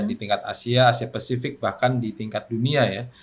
di tingkat asia asia pasifik bahkan di tingkat dunia ya